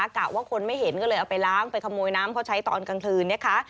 กะว่าคนไม่เห็นก็เลยเอาไปล้างไปขโมยน้ำเขาใช้ตอนกลางคืนนะคะ